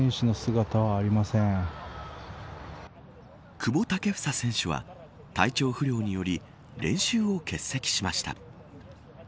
久保建英選手は体調不良により練習を欠席しました。